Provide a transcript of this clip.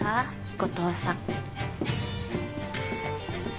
後藤さん